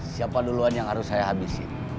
siapa duluan yang harus saya habisin